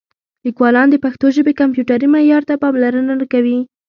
لیکوالان د پښتو ژبې کمپیوټري معیار ته پاملرنه نه کوي.